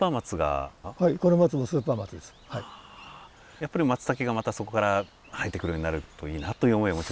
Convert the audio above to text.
やっぱりマツタケがまたそこから生えてくるようになるといいなという思いをお持ち。